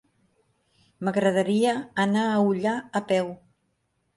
M'agradaria anar a Ullà a peu.